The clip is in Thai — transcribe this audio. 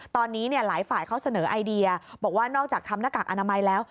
ตอนนี้หลายฝ่ายเขาเสนอไอเดียบอกว่านอกจากทำหน้ากากอนามัยแล้ว